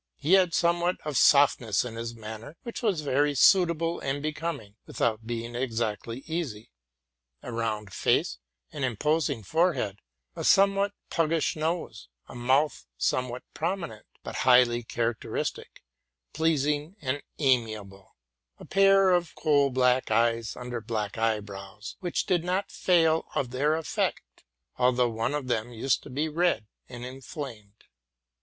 He had a certain gentleness in his manner, which was very suitable and becoming, without being exactly easy. A round face ; an imposing forehead ; a somewhat puggish nose ; a mouth some what prominent, but highly characteristic, pleasing, and amia ble; a pair of coal black eyes under black eyebrows, which did not fail of their effect, although one of them used to be red and inflamed.